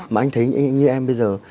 mà anh thấy như em bây giờ